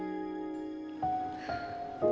aku akan menjaga dia